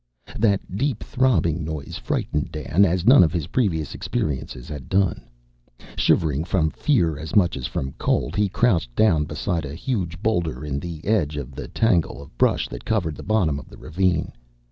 That deep, throbbing noise frightened Dan as none of his previous experiences had done. Shivering from fear as much as from cold, he crouched down beside a huge boulder in the edge of the tangle of brush that covered the bottom of the ravine.